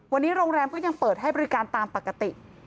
วันนี้โรงแรมก็ยังเปิดให้บริการตามปกติ